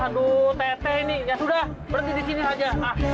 aduh tete ini ya sudah berhenti di sini aja